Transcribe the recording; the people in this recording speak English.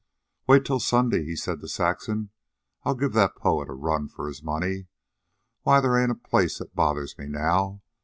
"Wait till Sunday," he said to Saxon. "I'll give that poet a run for his money. Why, they ain't a place that bothers me now.